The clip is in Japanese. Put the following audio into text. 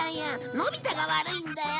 のび太が悪いんだよ！